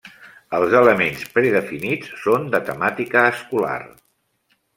Els elements predefinits són de temàtica escolar.